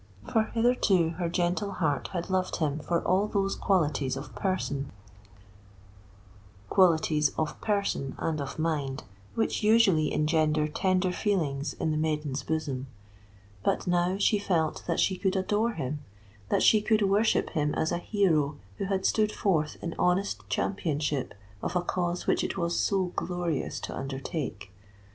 For hitherto her gentle heart had loved him for all those qualities of person and of mind which usually engender tender feelings in the maiden's bosom: but now she felt that she could adore him—that she could worship him as a hero who had stood forth in honest championship of a cause which it was so glorious to undertake.